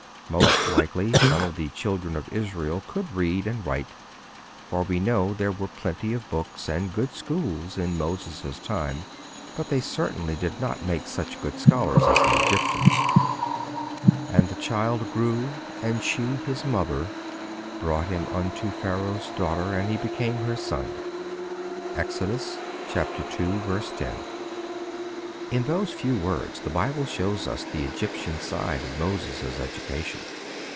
Most likely some of the Children of Israel could read and write, for we know there were plenty of books and good schools in Moses' time, but they certainly did not make such good scholars as the Egyptians. 'And the child grew and she (his mother) brought him unto Pharaoh's daughter, and he became her son.' (Exodus ii. 10.) In those few words the Bible shows us the Egyptian side of Moses' education.